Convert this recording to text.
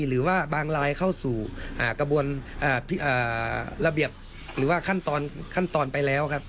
หรือว่าบางลายเข้าสู่กระบวนระเบียบหรือว่าขั้นตอนขั้นตอนไปแล้วครับ